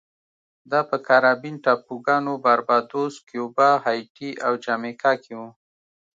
دا په کارابین ټاپوګانو باربادوس، کیوبا، هایټي او جامیکا کې و